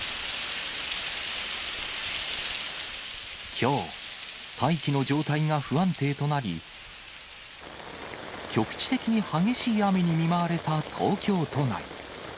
きょう、大気の状態が不安定となり、局地的に激しい雨に見舞われた東京都内。